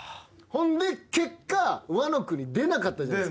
ほんで結果ワノ国出なかったじゃないですかエネル。